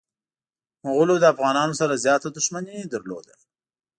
مغولو د افغانانو سره زياته دښمني لرله.